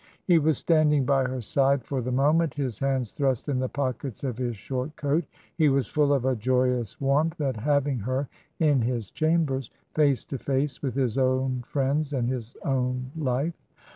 He was standing by her side for the moment, his hands thrust in the pockets of his short coat. He was full of a joyous warmth at having her in his chambers, face to face with his own friends and his own life.